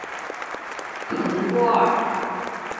蓬波尔。